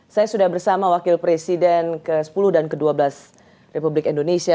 saya sudah bersama wakil presiden ke sepuluh dan ke dua belas republik indonesia